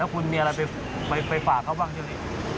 แล้วคุณมีอะไรไปฝ่าเขาบ้างที่นี่